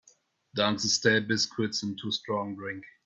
Dunk the stale biscuits into strong drink.